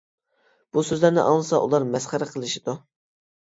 بۇ سۆزلەرنى ئاڭلىسا ئۇلار مەسخىرە قىلىشىدۇ.